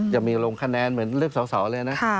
จะมีลงคะแนนเหมือนเลือกสอสอเลยนะ